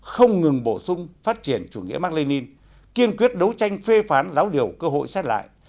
không ngừng bổ sung phát triển chủ nghĩa mạc lê ninh kiên quyết đấu tranh phê phán giáo điều cơ hội xét lại